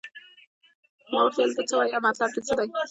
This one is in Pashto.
ما ورته وویل ته څه وایې او مطلب دې څه دی.